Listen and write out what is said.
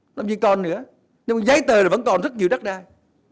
không chỉ còn nữa nhưng mà giấy tờ vẫn còn rất nhiều đất đai